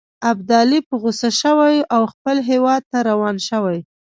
ابدالي په غوسه شوی او خپل هیواد ته روان شوی.